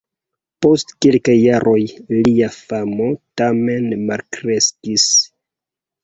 Post kelkaj jaroj lia famo tamen malkreskis.